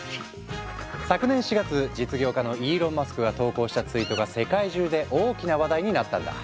昨年４月実業家のイーロン・マスクが投稿したツイートが世界中で大きな話題になったんだ。